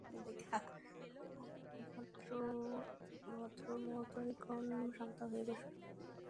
ভদ্রমহোদয়গণ, শান্ত হয়ে বসুন।